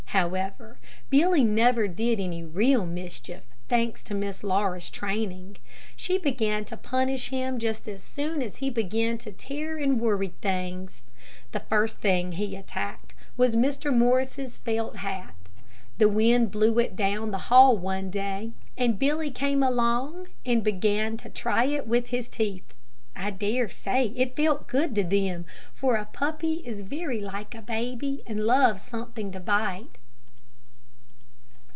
However, Billy never did any real mischief, thanks to Miss Laura's training. She began to punish him just as soon as he began to tear and worry things. The first thing he attacked was Mr. Morris' felt hat. The wind blew it down the hall one day, and Billy came along and began to try it with his teeth. I dare say it felt good to them, for a puppy is very like a baby and loves something to bite.